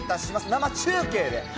生中継で。